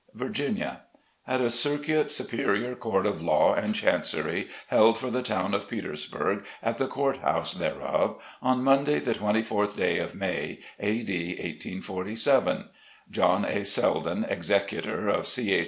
VIRGINIA: At a Circuit Superior Court of Law and Chancery, held for the town of Petersburg, at the court house thereof, on Monday, the 24th day of May, A. D. 1847: John A. Seldon, Executor of C. H.